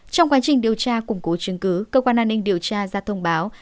trong quá trình điều tra củng cố trừng cư cơ quan an ninh điều tra ra thông báo